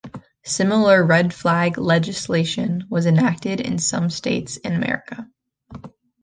Similar 'Red Flag' legislation was enacted in some states in America.